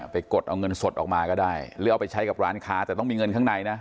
กดเอาเงินสดออกมาก็ได้หรือเอาไปใช้กับร้านค้าแต่ต้องมีเงินข้างในนะ